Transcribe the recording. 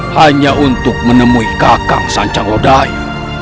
hanya untuk menemui kakang sancang lodaya